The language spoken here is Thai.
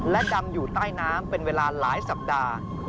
และดำอยู่ใต้น้ำเป็นเวลาหลายสัปดาห์